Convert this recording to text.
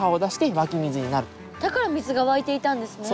だから水が湧いていたんですね。